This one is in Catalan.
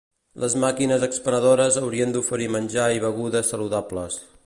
Les màquines expenedores haurien d'oferir menjar i begudes saludables.